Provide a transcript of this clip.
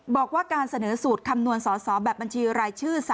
บอกว่าการเสนอสูตรคำนวณสอสอแบบบัญชีรายชื่อ๓